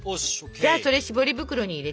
じゃあそれしぼり袋に入れちゃって。